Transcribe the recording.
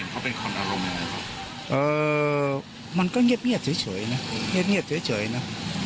โปรติที่เราเห็นเขาเป็นคนอารมณ์ไหนมันก็เงียบเงียบเฉยนะ